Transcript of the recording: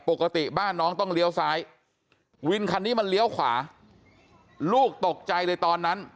ปกติบ้านน้องต้องเลี้ยวซ้ายวินคันนี้มันเลี้ยวขวาลูกตกใจเลยตอนนั้น